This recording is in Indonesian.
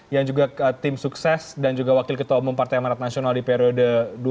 yang juga tim sukses dan juga wakil ketua umum partai pemerintah nasional di periode dua ribu lima belas dua ribu dua puluh